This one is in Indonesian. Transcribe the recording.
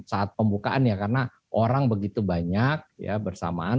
tentu dalam saat pembukaan karena orang begitu banyak bersamaan